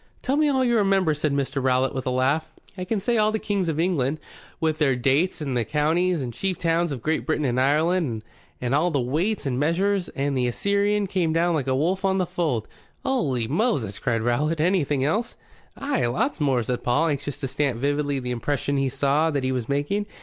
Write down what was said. "Tell me all you remember," said Mr. Rowlatt, with a laugh. "I can say all the Kings of England, with their dates, and the counties and chief towns of Great Britain and Ireland, and all the weights and measures, and 'The Assyrian came down like a wolf on the fold '" "Holy Moses!" cried Rowlatt. "Anything else?" "Ay. Lots more," said Paul, anxious to stamp vividly the impression he saw that he was making.